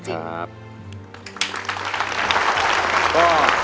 ขอบคุณจริง